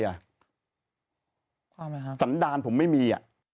อะไรครับสันดารผมไม่มี